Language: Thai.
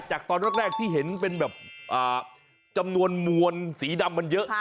จากตอนแรกที่เห็นเป็นแบบจำนวนมวลสีดำมันเยอะ